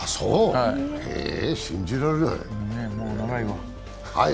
信じられない。